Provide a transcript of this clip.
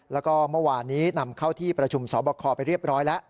แล้วก็เมื่อวานนี้นำเข้าที่ประชุมสอบคอไปเรียบร้อยแล้ว